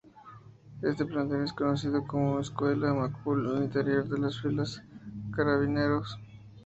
Este Plantel es conocido como "Escuela Macul" al interior de las filas de Carabineros.